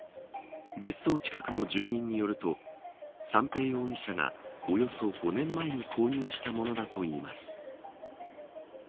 別荘近くの住人によると三瓶容疑者が、およそ５年前に購入したものだといいます。